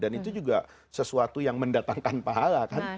dan itu juga sesuatu yang mendatangkan pahala kan